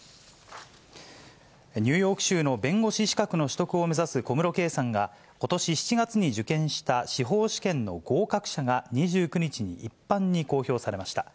ニューヨーク州の弁護士資格の取得を目指す小室圭さんが、ことし７月に受験した司法試験の合格者が２９日に一般に公表されました。